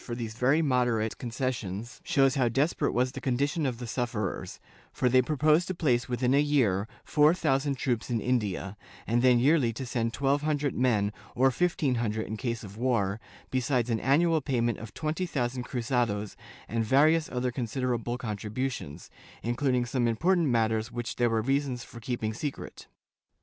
286 JJSW8 [Book VIII concessions shows how desperate was the condition of the sufferers, for they proposed to place within a yesiT four thousand troops in India, and then yearly to send twelve hundred men, or fifteen hundred in case of war, besides an annual payment of twenty thousand cruzados and various other considerable contributions, including some important matters which there were reasons for keeping secret.